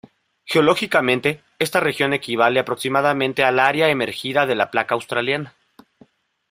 Geológicamente, esta región equivale aproximadamente al área emergida de la placa australiana.